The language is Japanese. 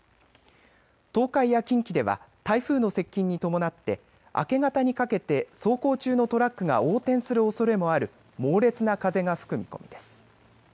東海や近畿では台風の接近に伴って明け方にかけて走行中のトラックが横転するおそれもある猛烈な風が吹く見込みです。